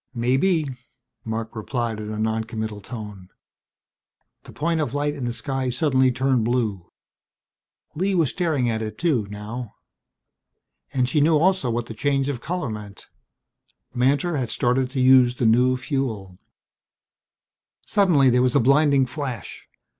"Maybe," Marc replied in a noncommittal tone. The point of light in the sky suddenly turned blue. Lee was staring at it too, now. And she knew also what the change of color meant. Mantor had started to use the new fuel! Suddenly there was a blinding flash.